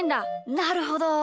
なるほど！